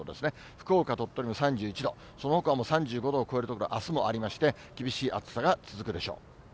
福岡、鳥取も３１度、そのほかも３５度を超える所、あすもありまして、厳しい暑さが続くでしょう。